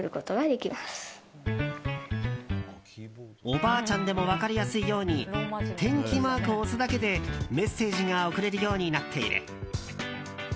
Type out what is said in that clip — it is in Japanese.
おばあちゃんでも分かりやすいように天気マークを押すだけでメッセージが送れるようになっている。